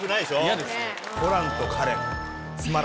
嫌ですね。